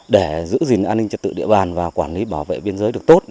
để giữ gìn an ninh trật tự địa bàn và quản lý bảo vệ biên giới được tốt